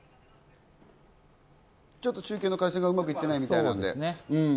ちょっと中継の回線がうまくいってないみたいなんで。